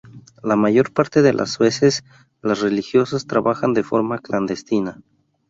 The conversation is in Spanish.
La mayor parte de las veces, las religiosas trabajaban de forma clandestina.